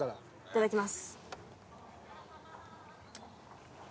いただきます。